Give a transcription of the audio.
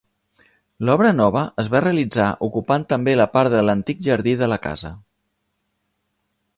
L'obra nova es va realitzar ocupant també la part de l'antic jardí de la casa.